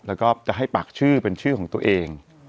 แล้วก็จะให้ปากชื่อเป็นชื่อของตัวเอง